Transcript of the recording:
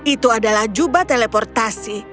itu adalah jubah teleportasi